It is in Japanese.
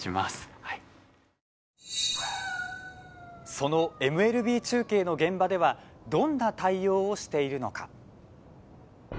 そのＭＬＢ中継の現場ではどんな対応をしているのか。